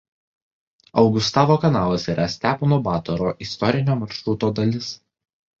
Augustavo kanalas yra "Stepono Batoro" istorinio maršruto dalis.